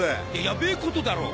ヤベえことだろ。